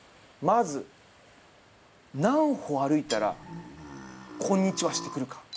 まず、何歩歩いたらこんにちはしてくるか。